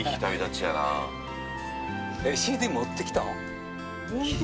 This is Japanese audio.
ＣＤ持ってきたの？